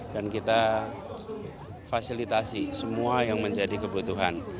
dan kita fasilitasi semua yang menjadi kebutuhan